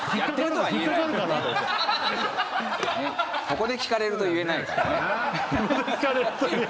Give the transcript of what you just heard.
ここで聞かれると言えないからね。